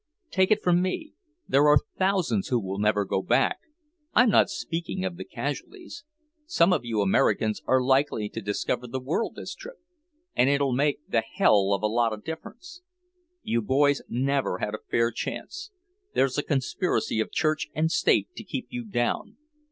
"Take it from me, there are thousands who will never go back! I'm not speaking of the casualties. Some of you Americans are likely to discover the world this trip... and it'll make the hell of a lot of difference! You boys never had a fair chance. There's a conspiracy of Church and State to keep you down.